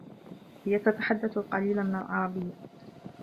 هي تتحدث القليل من العربية.